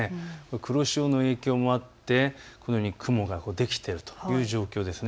黒潮の影響もあってこのように雲ができているという状況です。